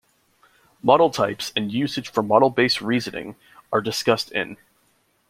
Model types and usage for model-based reasoning are discussed in.